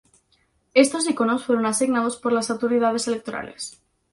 Estos iconos fueron asignados por las autoridades electorales.